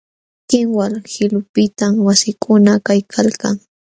Kinwal qilupiqtam wasikuna kaykalkan.